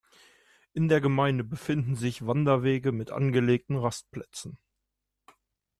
In der Gemeinde befinden sich Wanderwege mit angelegten Rastplätzen.